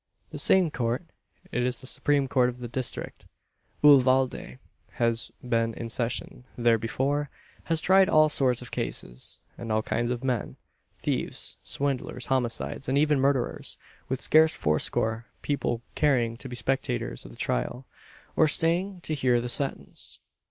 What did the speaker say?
The same Court it is the Supreme Court of the district, Uvalde has been in session there before has tried all sorts of cases, and all kinds of men thieves, swindlers, homicides, and even murderers with scarce fourscore people caring to be spectators of the trial, or staying to hear the sentence!